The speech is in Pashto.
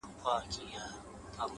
• ښکلې لکه ښاخ د شګوفې پر مځکه ګرځي ,